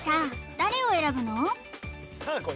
誰を選ぶの？